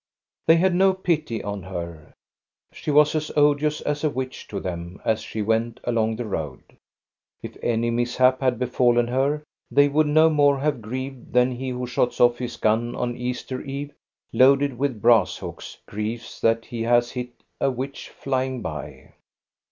They had no pity on her. She was as odious as a witch to them as she went along the road. If any mishap had befallen her, they would no more have grieved than he who shoots off his gun on Easter Eve, loaded with brass hooks, grieves that he has hit a witch flying by.